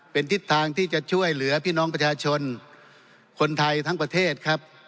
เป็นทิศทางที่จะช่วยเหลือพี่น้องประชาชนคนไทยทั้งประเทศครับ